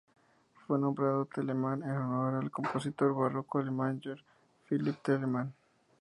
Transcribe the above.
Fue nombrado Telemann en honor al compositor barroco alemán Georg Philipp Telemann.